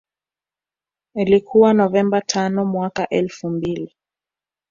Ilikuwa Novemba tano mwaka elfu mbili